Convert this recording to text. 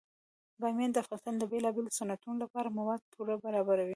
بامیان د افغانستان د بیلابیلو صنعتونو لپاره مواد پوره برابروي.